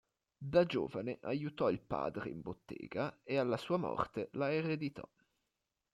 Da giovane aiutò il padre in bottega e alla sua morte la ereditò.